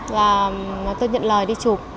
và tôi nhận lời đi chụp